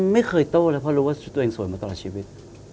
ไม่เคยโต้เลยเพราะรู้ว่าตัวเองสวยมาตลอดชีวิต